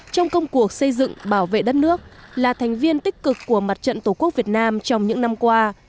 trong công cuộc xây dựng bảo vệ đất nước là thành viên tích cực của mặt trận tổ quốc việt nam trong những năm qua